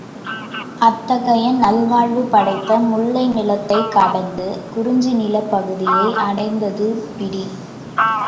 அத்தகைய நல்வாழ்வு படைத்த முல்லை நிலத்தைக் கடந்து குறிஞ்சி நிலப் பகுதியை அடைந்தது பிடி.